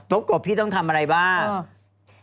กบพี่ต้องทำอะไรบ้าง